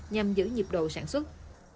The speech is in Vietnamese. nhằm giữ nhiệp độ sản xuất